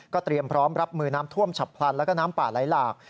เตรียมพร้อมรับมือน้ำท่วมฉับพลันแล้วก็น้ำป่าไหลหลาก